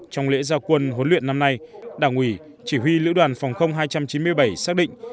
trong lễ giao quân huấn luyện năm nay đảng ủy chỉ huy lữ đoàn phòng hai trăm chín mươi bảy xác định